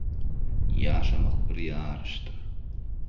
ýaşamak bir ýaryşdyr!